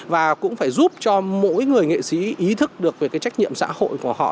và cũng phải giúp cho mỗi người nghệ sĩ ý thức được về cái trách nhiệm xã hội của họ